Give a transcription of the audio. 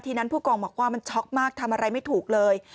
นั้นผู้กองบอกว่ามันช็อกมากทำอะไรไม่ถูกเลย